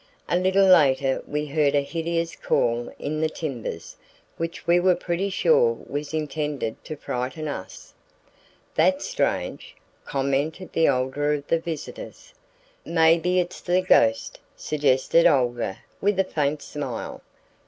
A little later we heard a hideous call in the timbers, which we were pretty sure was intended to frighten us." "That's strange," commented the older of the visitors. "Maybe it's the ghost," suggested Olga with a faint smile.